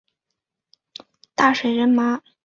大水苎麻